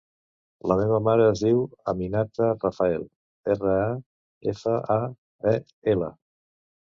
La meva mare es diu Aminata Rafael: erra, a, efa, a, e, ela.